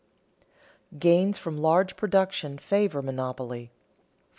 [Sidenote: Gains from large production favor monopoly] 4.